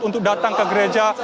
untuk datang ke gereja